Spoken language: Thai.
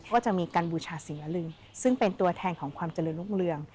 ก็จะมีการบูชาศิลซึ่งเป็นตัวแทนของความเจริญรุ่งเรือง